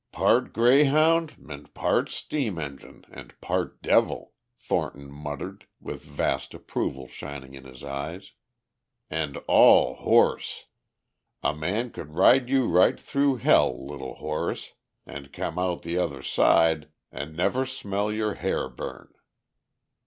"Part greyhound and part steam engine and part devil!" Thornton muttered with vast approval shining in his eyes. "And all horse! A man could ride you right through hell, Little Horse, and come out the other side and never smell your hair burn!"